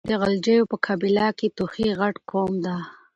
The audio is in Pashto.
د غلجيو په قبيله کې توخي غټ قوم ده.